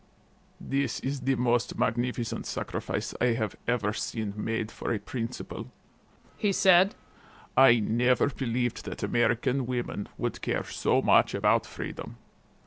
"'This is the most magnificent sacrifice I have ever seen made for a principle [he said I never believed that American women would care so much about freedom.